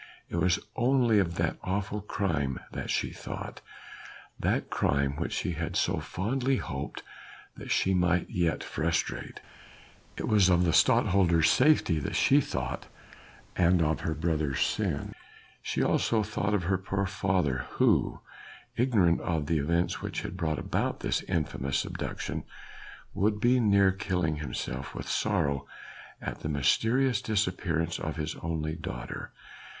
It was only of that awful crime that she thought, that crime which she had so fondly hoped that she might yet frustrate: it was of the Stadtholder's safety that she thought and of her brother's sin. She also thought of her poor father who, ignorant of the events which had brought about this infamous abduction, would be near killing himself with sorrow at the mysterious disappearance of his only daughter.